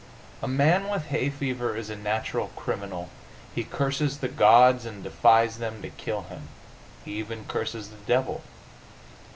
A man with hay fever is a natural criminal. He curses the gods, and defies them to kill him. He even curses the devil.